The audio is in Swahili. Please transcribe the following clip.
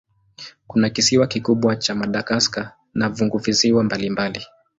Kuna kisiwa kikubwa cha Madagaska na funguvisiwa mbalimbali.